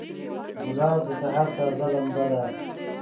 ګلاب د سحر تازه لمبه ده.